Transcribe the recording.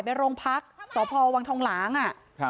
ไปรงพักสองพหวังทองหลังอ่ะ